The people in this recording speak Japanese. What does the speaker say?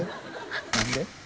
何で？